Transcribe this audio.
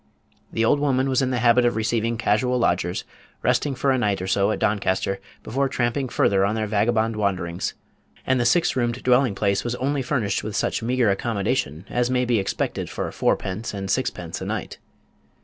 The old woman was in the habit of receiving casual lodgers, resting for a night or so at Doncaster before tramping further on their vagabond wanderings; and the six roomed dwelling place was only furnished with such meagre accommodation as may be expected for fourpence and sixpence a night.